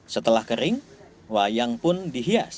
setelah kering wayang pun dihias